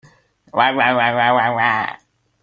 Meithingthu bul kha khawm tuah hna.